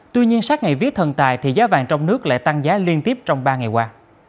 tuy nhiên sát ngày vía thần tài thì giá vàng trong nước lại tăng giá liên tiếp trong ba ngày qua